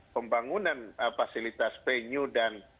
pembangunan fasilitas venue dan